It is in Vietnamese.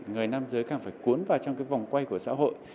người nam giới càng phải cuốn vào trong cái vòng quay của xã hội